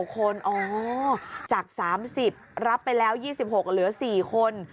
คนอ๋อจาก๓๐รับไปแล้ว๒๖เหลือ๔คน